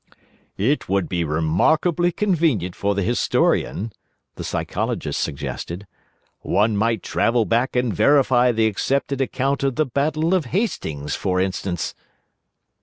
"It would be remarkably convenient for the historian," the Psychologist suggested. "One might travel back and verify the accepted account of the Battle of Hastings, for instance!"